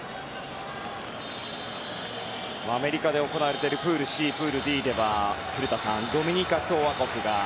アメリカで行われているプールＣ、プールＤでは古田さん、ドミニカ共和国が。